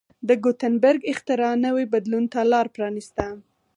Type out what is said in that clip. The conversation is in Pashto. د ګوتنبرګ اختراع نوي بدلون ته لار پرانېسته.